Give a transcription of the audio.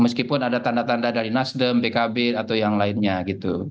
meskipun ada tanda tanda dari nasdem pkb atau yang lainnya gitu